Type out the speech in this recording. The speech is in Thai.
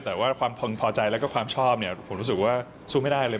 แต่ว่าความพอใจและความชอบผมรู้สึกว่าสู้ไม่ได้เลย